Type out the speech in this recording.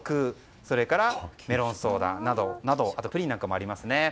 それから、メロンソーダなどあとプリンなどもありますね。